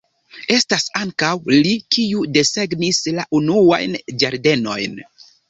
Estas ankaŭ li, kiu desegnis la unuajn ĝardenojn.